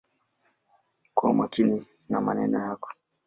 Kuwa makini na maneno yako.